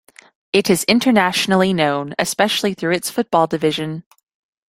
It is internationally known, especially through its football division.